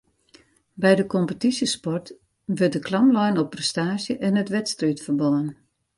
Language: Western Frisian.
By de kompetysjesport wurdt de klam lein op prestaasje en it wedstriidferbân